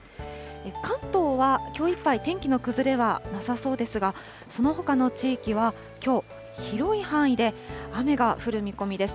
関東はきょういっぱい、天気の崩れはなさそうですが、そのほかの地域はきょう、広い範囲で雨が降る見込みです。